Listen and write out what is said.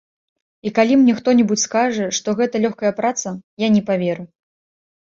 І калі мне хто-небудзь скажа, што гэта лёгкая праца, я не паверу.